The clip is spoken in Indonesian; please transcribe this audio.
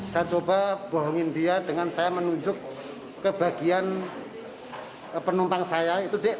saya coba bohongin dia dengan saya menunjuk ke bagian penumpang saya